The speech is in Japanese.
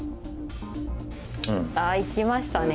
あいきましたね飛車。